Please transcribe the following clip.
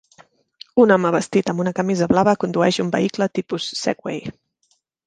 Un home vestit amb una camisa blava condueix un vehicle tipus Segway.